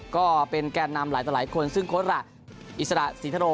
ก็เป็นแก่นนำหลายต่อหลายคนซึ่งโค้ดระอิสระศรีทโร